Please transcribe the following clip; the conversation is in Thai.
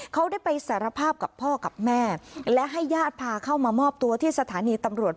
เขาได้ไปสารภาพกับพ่อกับแม่และให้ญาติพาเข้ามามอบตัวที่สถานีตำรวจ